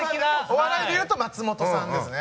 お笑いでいうと松本さんですね。